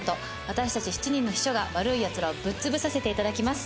私たち七人の秘書が悪いヤツらをぶっ潰させて頂きます。